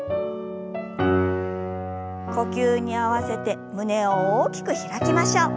呼吸に合わせて胸を大きく開きましょう。